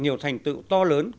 nhiều thành tựu to lớn